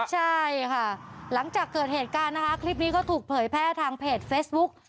ใช่ค่ะหลังจากเกิดเหตุการณ์นะคะคลิปนี้ก็ถูกเผยแพร่ทางเพจเฟซบุ๊ก